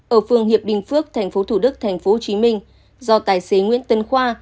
ở phương hiệp bình phước tp thủ đức tp hcm do tài xế nguyễn tân khoa